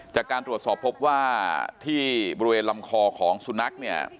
จากการตรวจสอบพบว่าที่บริเวณลำคอของสุนัขเนี่ย